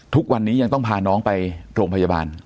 ทุกวันนี้ยังต้องพาน้องไปโรงพยาบาล